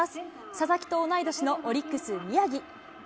佐々木と同い年のオリックス、宮城。